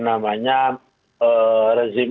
tentangannya yang menentukan kejayaan era gus dur ini